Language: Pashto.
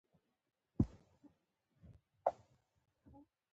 د ذهن څخه بېره وباسئ، کامیابي ستاسي ده.